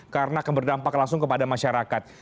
karena akan berdampak langsung kepada masyarakat